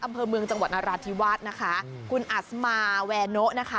อำเภอเมืองจังหวัดนราธิวาสนะคะคุณอัศมาแวโนะนะคะ